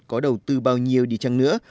có đầu tư bao nhiêu đi chăng nữa